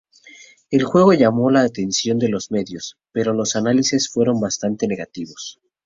El juego llamo la atención de los medios, pero los análisis fueron bastante negativos.